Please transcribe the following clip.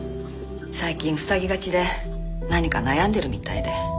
最近塞ぎがちで何か悩んでるみたいで。